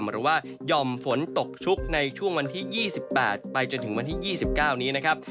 หรือว่าหย่อมฝนตกชุกในช่วงวันที่๒๘ไปจนถึงวันที่๒๙นี้นะครับ